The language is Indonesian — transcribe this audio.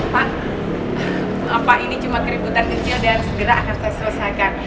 pak ini cuma keributan kecil dan segera akan saya selesaikan